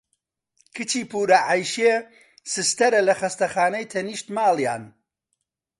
کچی پوورە عەیشێ سستەرە لە خەستانەی تەنیشت ماڵیان.